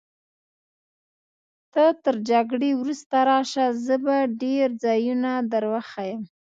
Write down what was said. ته تر جګړې وروسته راشه، زه به ډېر ځایونه در وښیم.